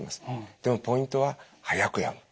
でもポイントは速く読む。